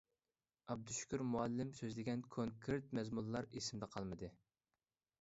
ئابدۇشۈكۈر مۇئەللىم سۆزلىگەن كونكرېت مەزمۇنلار ئېسىمدە قالمىدى.